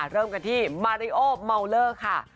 เริ่มกันที่มาริโอเมาเลอร์ค่ะ